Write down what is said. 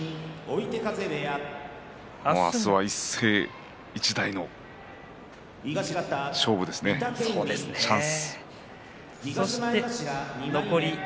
明日は一世一代の勝負ですね、チャンス。